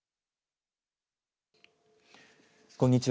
こんにちは。